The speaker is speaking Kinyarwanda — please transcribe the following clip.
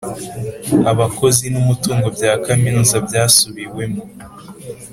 abakozi numutungo bya kaminuza byasubiwemo